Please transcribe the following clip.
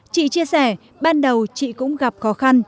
chị chia sẻ ban đầu chị cũng gặp khó khăn